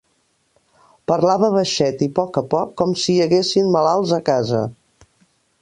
Parlava baixet i poc a poc com si hi haguessin malalts a casa